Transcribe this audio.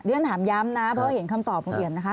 เรื่องถามย้ำนะเพราะว่าเห็นคำตอบลุงเอี่ยมนะคะ